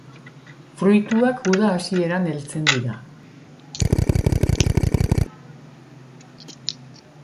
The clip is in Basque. Fruituak uda hasieran heltzen dira.